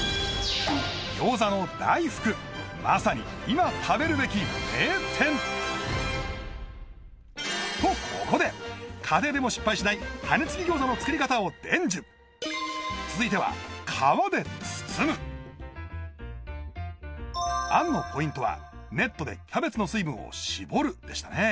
餃子の大福まさに今食べるべき名店とここで家庭でも失敗しない羽根つき餃子の作り方を伝授続いては皮で包む餡のポイントはネットでキャベツの水分を絞るでしたね